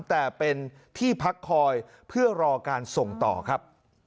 แต่เป็นที่พักคอยเพื่อรอการส่งต่อครับ